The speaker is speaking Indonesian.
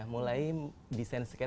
mulai desain sketch saya